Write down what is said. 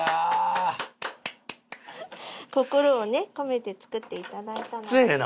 心を込めて作っていただいた。